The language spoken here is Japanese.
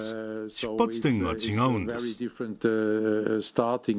出発点が違うんです。